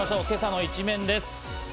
今朝の一面です。